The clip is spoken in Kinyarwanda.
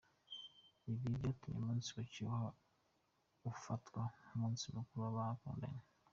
Ibi byatumye umunsi yiciweho ufatwa nk’umunsi mukuru w’abakundanye.